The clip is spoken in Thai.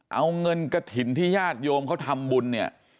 เอาเงินกระถิ่นที่ญาติโยมเขาทำบุญเนี่ย